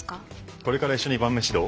これから一緒に晩飯どう？